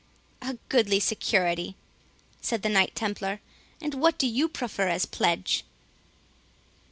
"A goodly security!" said the Knight Templar; "and what do you proffer as a pledge?"